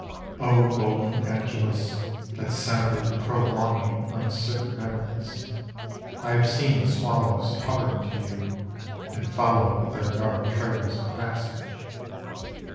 O golden angelus that sounded prolonging uncertain memories, I have seen the swallows hovering to you and followed their dark trails of passage.